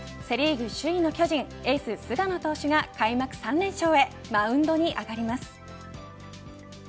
セ・リーグ首位の巨人エース菅野投手が開幕３連勝へマウンドに上がります。